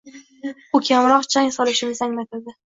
Bu kamroq chang solishimizni anglatadi.